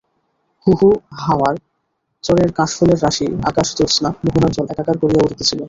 হু-হু হাওয়ায় চরের কাশফুলের রাশি আকাশ, জ্যোৎস্না, মোহনার জল একাকার করিয়া উড়িতেছিল।